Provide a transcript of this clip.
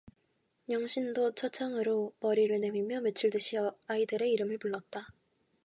영신도 차창으로 머리를 내밀며 외치듯이 아이들의 이름을 불렀다.